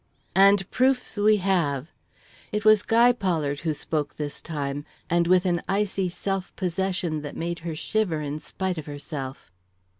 "And proofs we have!" It was Guy Pollard who spoke this time, and with an icy self possession that made her shiver in spite of herself.